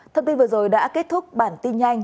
thông tin vừa rồi đã kết thúc bản tin nhanh